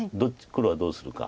黒はどうするか。